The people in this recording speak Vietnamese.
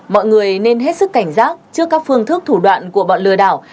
mọi người nên hết sức cảnh giác trước các phương thức thủ đoạn của bọn lừa đảo